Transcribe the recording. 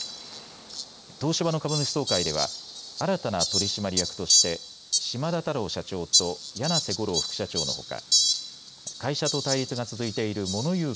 東芝の株主総会では新たな取締役として島田太郎社長と柳瀬悟郎副社長のほか、会社と対立が続いているモノ言う